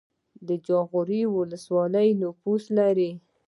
د جاغوری ولسوالۍ نفوس لري